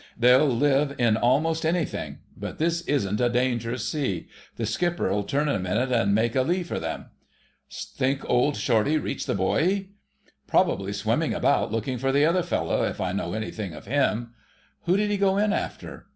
"They'll live in almost anything; but this isn't a dangerous sea. The skipper 'll turn in a minute and make a lee for them." "Think old Shortie reached the buoy?" "Probably swimming about looking for the other fellow, if I know anything of him; who did he go in after?"